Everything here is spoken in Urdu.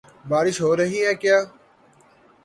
بارش ہو رہی ہے کیا؟